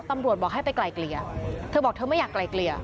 ตำรวจบอกให้ไปไกลเกลี่ยเธอบอกเธอไม่อยากไกลเกลี่ย